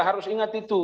harus ingat itu